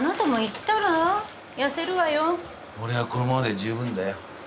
俺はこのままで十分だよ。